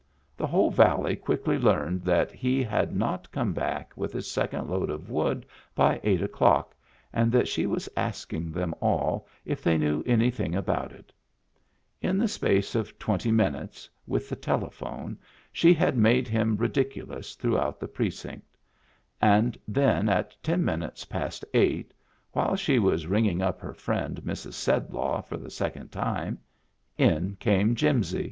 The whole valley quickly learned that he had not come back with his second load of wood by eight 'clock and that she was asking them all if they knew anything about it In the space of twenty minutes with the telephone she had made him ridiculous throughout the precinct ; and then at ten minutes past eight, while she was ringing up her friend Mrs. Sedlaw for the second time, in came Jimsy.